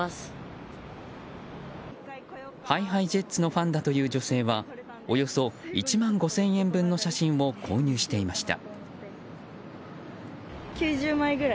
ファンだという女性はおよそ１万５０００円分の写真を購入していました。